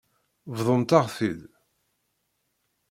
Bḍumt-aɣ-t-id.